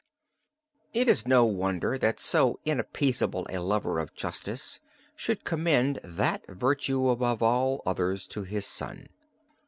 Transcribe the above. It is no wonder that so inappeasable a lover of justice should commend that virtue above all others to his son.